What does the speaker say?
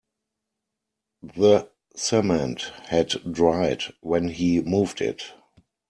The cement had dried when he moved it.